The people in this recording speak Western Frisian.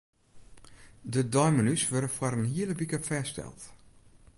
De deimenu's wurde foar in hiele wike fêststeld.